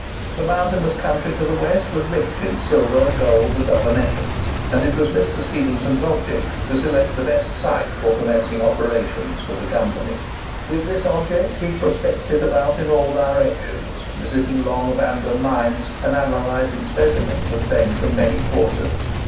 The mountainous country to the west was rich in silver, gold, and other metals, and it was Mr. Stephenson's object to select the best site for commencing operations for the Company. With this object he "prospected" about in all directions, visiting long abandoned mines, and analysing specimens obtained from many quarters.